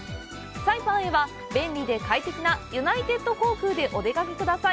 サイパンへは、便利で快適なユナイテッド航空でお出かけください。